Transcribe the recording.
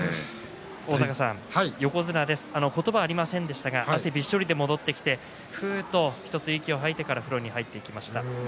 横綱言葉はありませんでしたが汗びっしょりで戻ってきて１つ大きく息を吐いてから風呂に入っていきました。